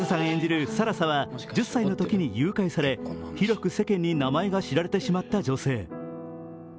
演じる更紗は１０歳のときに誘拐され、広く世間に名前が知られてしまった女性。